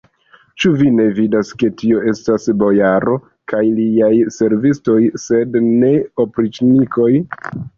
Ĉu vi ne vidas, ke tio estas bojaro kaj liaj servistoj, sed ne opriĉnikoj?